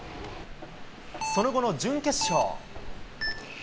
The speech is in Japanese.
その後の準決勝。